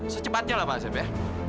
secepatnya lah pak asep ya